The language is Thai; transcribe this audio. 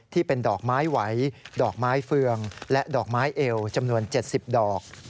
ที่เป็นดอกไม้ไหวดอกไม้เฟืองและดอกไม้เอวจำนวน๗๐ดอก